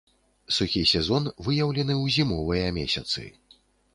Сухі сезон выяўлены ў зімовыя месяцы.